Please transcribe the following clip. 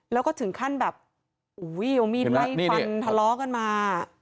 แล้วก็ถึงขั้นแบบเอามีดไล่ฟันทะเลาะกันมา